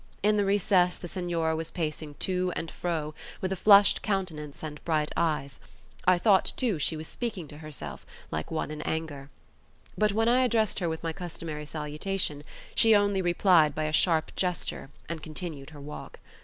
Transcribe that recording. In the recess the Senora was pacing to and fro with a flushed countenance and bright eyes; I thought, too, she was speaking to herself, like one in anger. But when I addressed her with my customary salutation, she only replied by a sharp gesture and continued her walk.